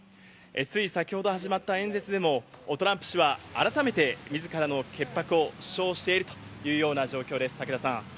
つい先ほど始まった演説でも、トランプ氏は改めて自らの潔白を主張しているというような状況です、武田さん。